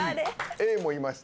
「Ａもいました」